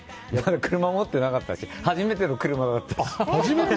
車、持ってなかったし初めての車だったし。